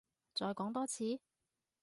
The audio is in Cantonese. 再講多次？